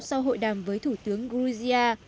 sau hội đàm với thủ tướng georgia